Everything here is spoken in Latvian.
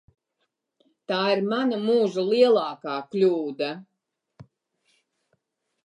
Tā ir mana mūža lielākā kļūda.